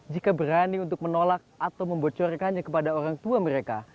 jika berani untuk menolak atau membocorkannya kepada orang tua mereka